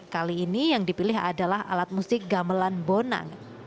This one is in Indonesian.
kali ini yang dipilih adalah alat musik gamelan bonang